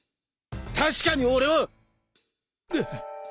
確かに俺はぐっ。